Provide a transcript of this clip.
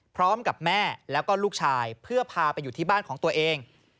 พร้อมกับแม่แล้วก็ลูกชายเพื่อพาไปอยู่ที่บ้านของตัวเอง